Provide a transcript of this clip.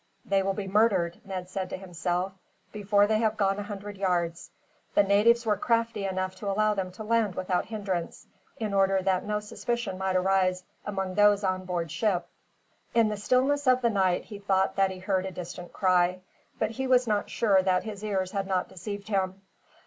"They will be murdered," Ned said to himself, "before they have gone a hundred yards. The natives were crafty enough to allow them to land without hindrance, in order that no suspicion might arise among those on board ship." In the stillness of the night he thought that he heard a distant cry. But he was not sure that his ears had not deceived him.